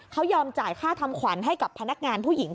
เขายอมจ่ายค่าทำขวัญให้กับพนักงานผู้หญิง